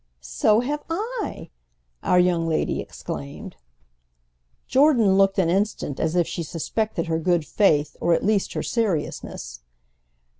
"So have I!" our young lady exclaimed. Jordan looked an instant as if she suspected her good faith, or at least her seriousness.